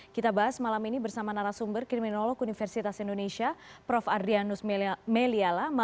kita bahas malam ini bersama narasumber kriminolog universitas indonesia prof adrianus meliala